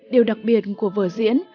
điều đặc biệt của vở diễn